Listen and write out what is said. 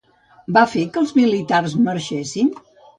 Va fer que els militars marxessin?